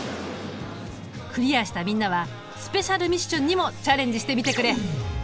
クリアしたみんなはスペシャルミッションにもチャレンジしてみてくれ。